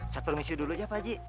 saya permisi dulu aja pak haji